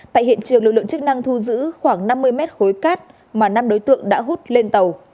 tại hiện trường lực lượng chức năng thu giữ khoảng năm mươi mét khối cát mà năm đối tượng đã hút lên tàu